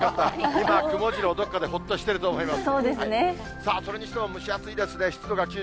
今、くもジロー、どっかでほっとしてると思います。